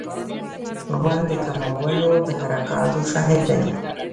غول د کولمو د حرکاتو شاهد دی.